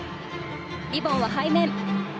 リボンは背面。